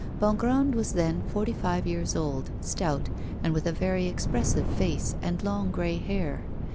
Bongrand was then forty five years old, stout, and with a very expressive face and long grey hair.